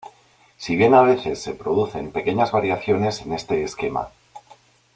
Si bien a veces se producen pequeñas variaciones en este esquema.